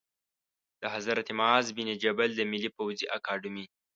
د حضرت معاذ بن جبل د ملي پوځي اکاډمۍ